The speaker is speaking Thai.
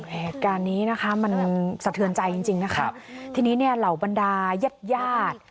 เหตุการณ์นี้นะคะมันสะเทือนใจจริงจริงนะคะทีนี้เนี่ยเหล่าบรรดายาด